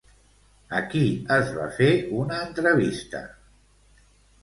A qui es va fer una entrevista?